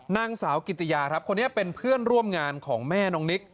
นางสาวกิติยาครับคนนี้เป็นเพื่อนร่วมงานของแม่น้องนิก